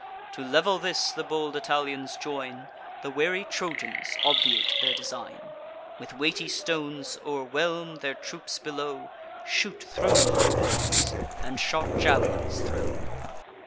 To level this, the bold Italians join; The wary Trojans obviate their design; With weighty stones o'erwhelm their troops below, Shoot thro' the loopholes, and sharp jav'lins throw.